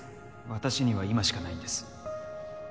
私には今しかないんです。